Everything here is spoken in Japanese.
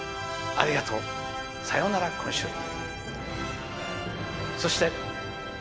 ありがとう、さようなら、今週。